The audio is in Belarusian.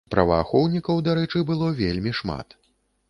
Праваахоўнікаў, дарэчы, было вельмі шмат.